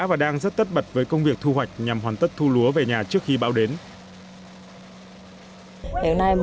và đang rất tất bật với công việc thu hoạch nhằm hoàn tất thu lúa về nhà trước khi bão đến